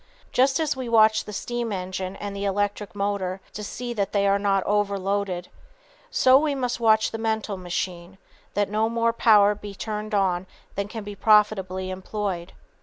Just as we watch the steam engine and the electric motor to see that they are not "overloaded," so we must watch the mental machine, that no more power be turned on than can be profitably employed.